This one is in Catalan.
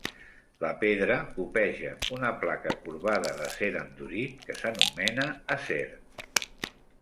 La pedra copeja una placa corbada d'acer endurit, que s'anomena "acer".